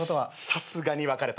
さすがに別れた。